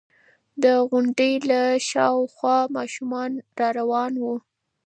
د غونډۍ له خوا ماشومان را روان وو.